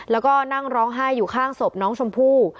แล้วก็นั่งร้องไห้อยู่ข้างศพน้องชมพู่